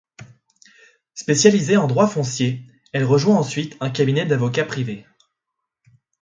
Spécialisée en droit foncier, elle rejoint ensuite un cabinet d'avocats privé.